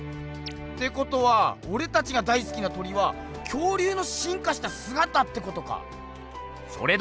ってことはおれたちが大すきな鳥は恐竜のしんかしたすがたってことか？